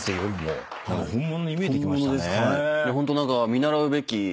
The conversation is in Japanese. ホント何か。